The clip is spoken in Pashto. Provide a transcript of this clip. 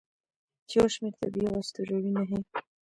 چې یو شمیر طبیعي او اسطوروي نښې